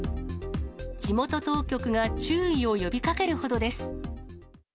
地元当局が注意を呼びかけるほどです。